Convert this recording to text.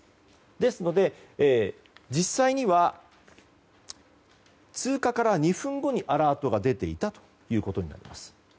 ですので、実際には通過から２分後にアラートが出ていたことになります。